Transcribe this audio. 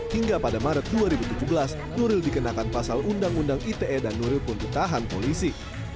hingga pada maret dua ribu tujuh belas nuril dikenakan pasal undang undang ite dan nuril pun ditahan polisi